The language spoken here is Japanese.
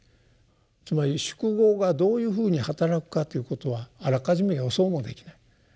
つまり「宿業」がどういうふうにはたらくかということはあらかじめ予想もできない。